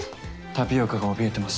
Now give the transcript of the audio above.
タピオカが怯えてます